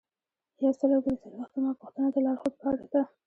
یو سل او درې څلویښتمه پوښتنه د لارښوود په اړه ده.